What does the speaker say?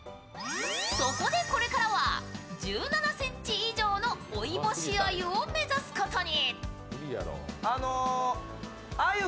そこでこれからは１７ｃｍ以上の追い星鮎を目指すことに。